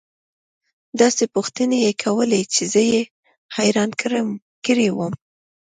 داسې پوښتنې يې كولې چې زه يې حيران كړى وم.